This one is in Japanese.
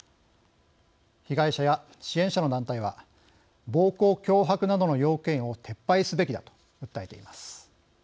被害者や支援者の団体は暴行・脅迫などの要件を撤廃すべきだと訴えています。